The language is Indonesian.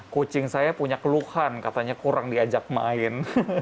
kucing saya punya keluhan katanya kurang diajak main